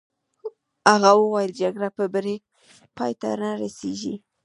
هغه وویل: جګړه په بري پای ته نه رسېږي.